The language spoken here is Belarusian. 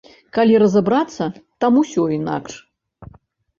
Калі разабрацца, там усё інакш.